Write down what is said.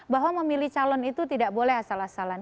bahwa memilih calon itu tidak boleh asal asalan